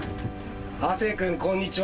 亜生君こんにちは。